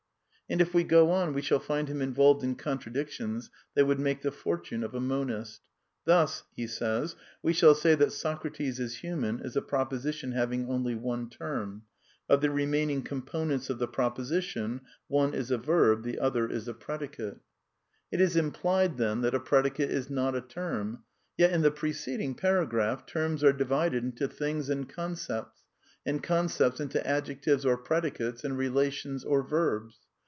And if we go on we shall find him involved in contra dictions that would make the fortune of a monist. Thus :" We shall say that Socrates is human is a proposition having only one term ; of the remaining components of the proposition one is a verb, the other is a predicate." 206 A DEFENCE OF IDEALISM It is implied, then, that a predicate is not a term; yet \ in the preceding paragraph, terms are divided into \ "things" and "concepts," and concepts into adjectives, I or " predicates," and relations or verbs.